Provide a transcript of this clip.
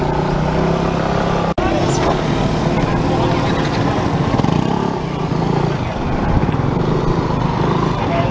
เมื่อเวลาอันดับสุดท้ายมันกลายเป็นภูมิที่สุดท้าย